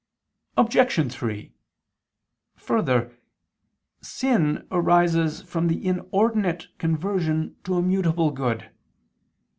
Obj. 3: Further, sin arises from the inordinate conversion to a mutable good.